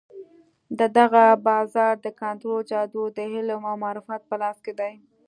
د دغه بازار د کنترول جادو د علم او معرفت په لاس کې دی.